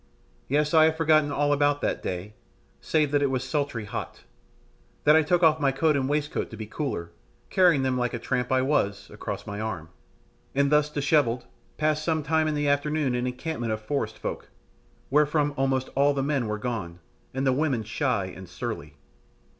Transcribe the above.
Yes, I have forgotten all about that day, save that it was sultry hot, that I took off my coat and waistcoat to be cooler, carrying them, like the tramp I was, across my arm, and thus dishevelled passed some time in the afternoon an encampment of forest folk, wherefrom almost all the men were gone, and the women shy and surly.